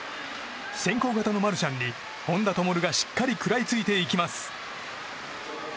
先行型のマルシャンに本多灯がしっかり食らいついていきます。